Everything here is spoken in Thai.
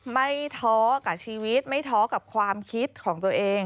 ท้อกับชีวิตไม่ท้อกับความคิดของตัวเอง